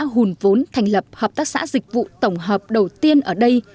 hùn vốn thành lập hợp tác xã dịch vụ tổng hợp đầu tiên ở đây